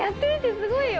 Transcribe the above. すごいよ！